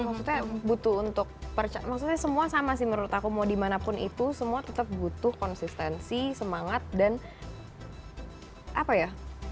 maksudnya semua sama sih menurut aku mau dimanapun itu semua tetap butuh konsistensi semangat dan apa ya